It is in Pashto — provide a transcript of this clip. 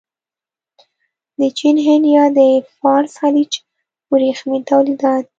د چین، هند یا د فارس خلیج ورېښمین تولیدات.